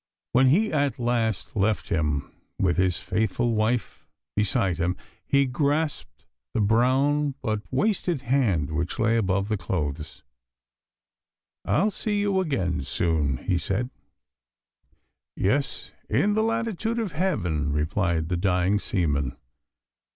When he at last left him, with his faithful wife beside him, he grasped the brown but wasted hand which lay above the clothes. 'I'll see you again soon,' he said. 'Yes. In the latitude of heaven,' replied the dying seaman.